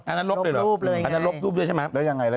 อันนั้นลบรูปเลยไงแล้วยังไง